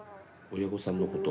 親御さんのこと。